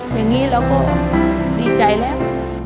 อย่างนี้เราก็ดีใจแล้ว